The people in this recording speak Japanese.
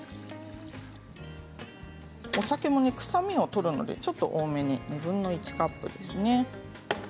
お酒も、臭みを取るので少し多めに２分の１カップですね。